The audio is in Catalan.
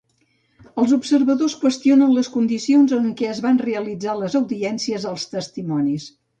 Els observadors qüestionen les condicions en què es van realitzar les audiències als testimonis.